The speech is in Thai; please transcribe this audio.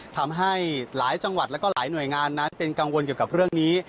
ทำให้หลายจังหวัดแล้วก็หลายหน่วยงานนั้นเป็นกังวลเกี่ยวกับเรื่องนี้